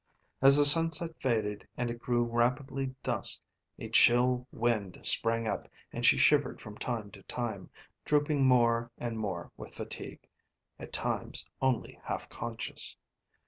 As the sunset faded and it grew rapidly dusk a chill wind sprang up and she shivered from time to time, drooping more and more with fatigue, at times only half conscious.